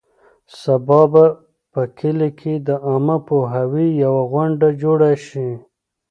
سبا به په کلي کې د عامه پوهاوي یوه غونډه جوړه شي.